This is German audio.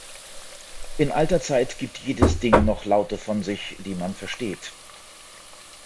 In alter Zeit gibt jedes Ding noch Laute von sich, die man versteht.